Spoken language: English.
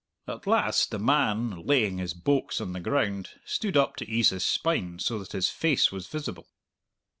At last the man, laying his "boax" on the ground, stood up to ease his spine, so that his face was visible.